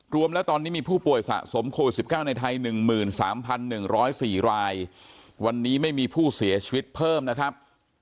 รวมแล้วตอนนี้มีผู้ป่วยสะสมโควิด๑๙ในไทย๑๓๑๐๔รายวันนี้ไม่มีผู้เสียชีวิตเพิ่มนะครับ